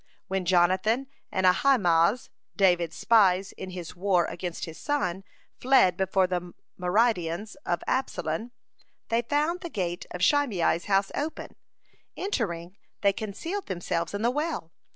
When Jonathan and Ahimaaz, David's spies in his war against his son, fled before the myrmidons of Absalom, they found the gate of Shimei's house open. Entering, they concealed themselves in the well.